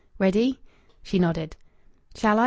"Ready?" She nodded. "Shall I?"